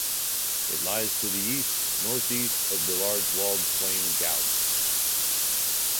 It lies to the east-northeast of the large walled plain Gauss.